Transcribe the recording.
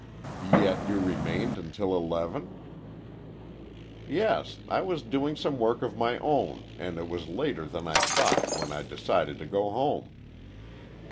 "Yet you remained until eleven?" "Yes; I was doing some work of my own, and it was later than I thought, when I decided to go home."